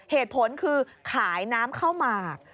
เหตุผลคือขายน้ำข้าวหมาก